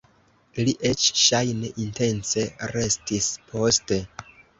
Li eĉ ŝajne intence restis poste!